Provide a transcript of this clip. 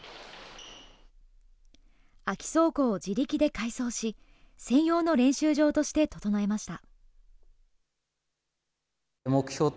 空き倉庫を自力で改装し、専用の練習場として整えました。